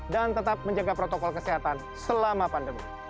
dan tetap menjaga protokol kesehatan selama pandemi